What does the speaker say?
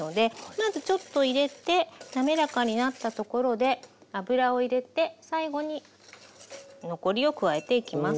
まずちょっと入れてなめらかになったところで油を入れて最後に残りを加えていきます。